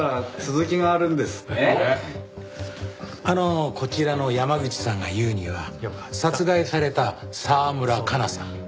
あのこちらの山口さんが言うには殺害された澤村香奈さん。